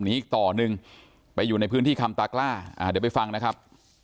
อีกต่อหนึ่งไปอยู่ในพื้นที่คำตากล้าเดี๋ยวไปฟังนะครับ